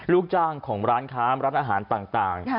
ลูกจ้างของร้านค้าร้านอาหารต่าง